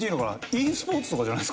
ｅスポーツとかじゃないですか？